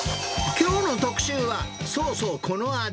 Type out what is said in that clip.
きょうの特集は、そうそうこの味！